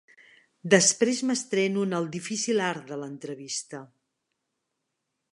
Després m'estreno en el difícil art de l'entrevista.